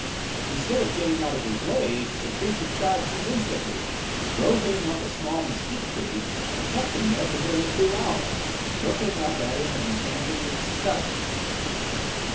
Instead of getting out of his way the creature charged him instantly, drove him up a small mesquite tree, and kept him there for nearly two hours, looking up at him and champing its tusks.